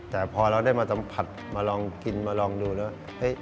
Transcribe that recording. แต่พอเราได้มาสัมผัสมาลองกินมาลองดูแล้ว